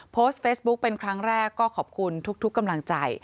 โพสต์เฟซบุ๊คเป็นครั้งแรกก็ขอบคุณทุกกำลังใจ